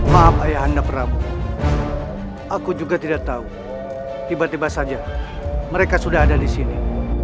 maaf ayah anda prabu aku juga tidak tahu tiba tiba saja mereka sudah ada di sini